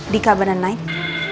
di kabanan night